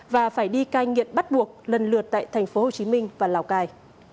và phải đi cai nghiện bắt buộc lần lượt tại tp hcm và lào cai